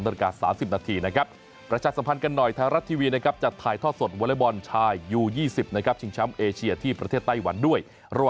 ประชาชน์สัมพันธ์กันหน่อยทารัททีวีจะถ่ายทอดสดวลบอนชายยู๒๐ชิงแชมป์เอเชียที่ประเทศไต้หวันด้วย